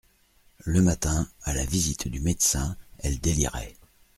Le matin, à la visite du médecin, elle délirait.